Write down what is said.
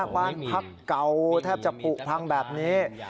บ้านพักเก่าแทบจะผูกพังแบบนี้